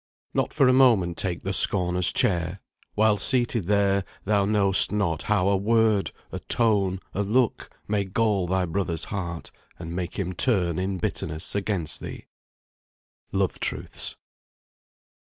"Not for a moment take the scorner's chair; While seated there, thou know'st not how a word, A tone, a look, may gall thy brother's heart, And make him turn in bitterness against thee." "LOVE TRUTHS."